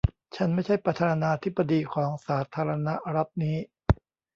ฉันไม่ใช่ประธานาธิบดีของสาธารณรัฐนี้